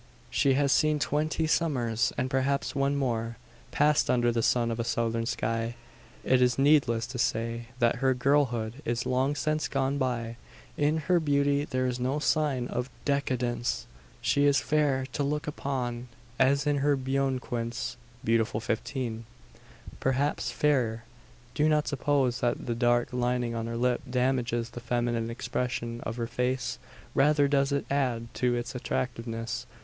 She has seen twenty summers, and perhaps one more. Passed under the sun of a Southern sky, it is needless to say that her girlhood is long since gone by. In her beauty there is no sign of decadence. She is fair to look upon, as in her "buen quince" (beautiful fifteen), Perhaps fairer. Do not suppose that the dark lining on her lip damages the feminine expression of her face. Rather does it add to its attractiveness.